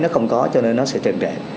nó không có cho nên nó sẽ trền trệ